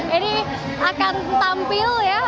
ini akan tampil ya